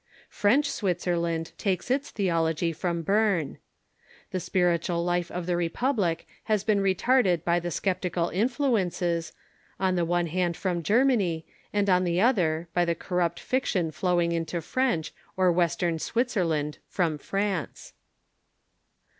French Switzerland takes its the ology from Berne. The spiritual life of the republic has been retarded by the sceptical influences, on the one hand from Germany, and, on the other, by the corrupt fiction flowing into French or western Switzerland from France.